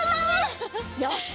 よし！